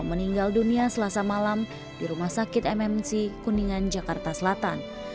meninggal dunia selasa malam di rumah sakit mmc kuningan jakarta selatan